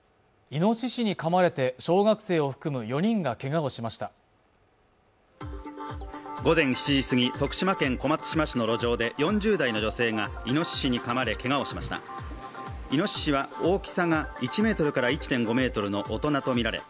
イノシシにかまれて小学生を含む４人がけがをしました午前７時過ぎ徳島県小松島市の路上で４０代の女性がイノシシにかまれけがをしましたイノシシは大きさが１ｍから１．５ｍの大人とみられ